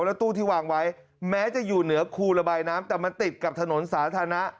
แล้วตู้ที่วางไว้แม้จะอยู่เหนือคูระบายน้ำแต่มันติดกับถนนสาธารณะ